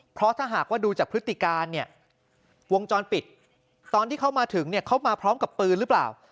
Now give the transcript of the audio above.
เพราะถ้าหากว่าดูจากพฤติการเนี่ยวงจรปิดตอนที่เขามาถึงเนี่ยเขามาพร้อมกับปืนหรือเปล่า